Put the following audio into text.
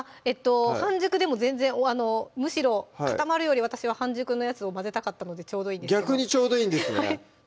半熟でも全然むしろ固まるより私は半熟のやつを混ぜたかったのでちょうどいいです逆にちょうどいいんですね